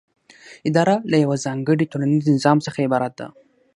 اداره له یوه ځانګړي ټولنیز نظام څخه عبارت ده.